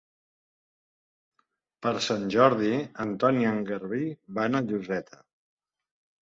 Per Sant Jordi en Ton i en Garbí van a Lloseta.